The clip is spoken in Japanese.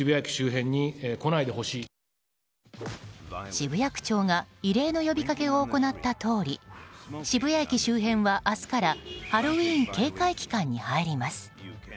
渋谷区長が異例の呼びかけを行ったとおり渋谷駅周辺は明日からハロウィーン警戒期間に入ります。